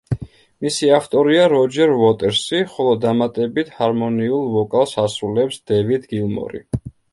მისი ავტორია როჯერ უოტერსი, ხოლო დამატებით ჰარმონიულ ვოკალს ასრულებს დევიდ გილმორი.